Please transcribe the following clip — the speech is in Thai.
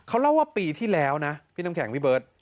เขาเล่าว่าปีที่แล้วนะพี่น้ำแข็งพี่เบิร์ต